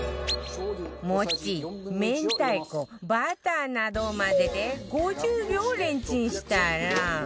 餅明太子バターなどを混ぜて５０秒レンチンしたら